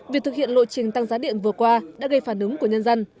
việc thực hiện lộ trình tăng giá điện vừa qua đã gây phản ứng của nhân dân